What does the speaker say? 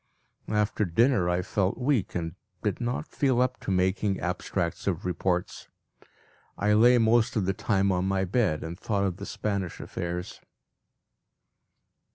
After dinner I felt weak, and did not feel up to making abstracts of reports. I lay most of the time on my bed, and thought of the Spanish affairs.